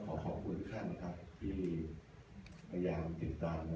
ขอขอบคุณทุกท่านนะครับที่พยายามติดตามนะครับ